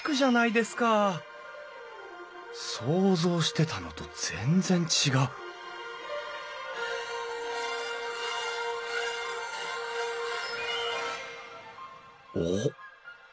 想像してたのと全然違うおっ！